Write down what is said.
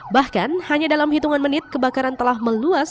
bahkan hanya dalam hitungan menit kebakaran telah meluas